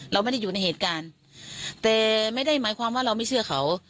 เราไม่ได้อยู่ในเหตุการณ์แต่ไม่ได้หมายความว่าเราไม่เชื่อเขา